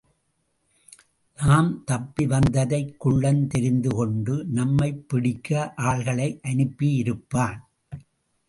நாம் தப்பி வந்ததைக் குள்ளன் தெரிந்துகொண்டு நம்மைப் பிடிக்க ஆள்களை அனுப்பியிருப்பான்.